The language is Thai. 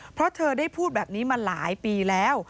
เพราะเธอได้พูดแบบนี้มาหลายปีแล้ว